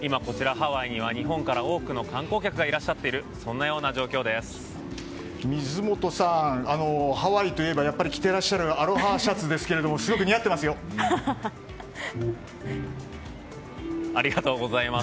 ハワイには日本から多くの観光客がいらっしゃっているような水本さん、ハワイといえばやっぱり着ていらっしゃるアロハシャツですがありがとうございます。